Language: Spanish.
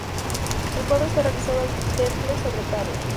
El cuadro está realizado al temple sobre tabla.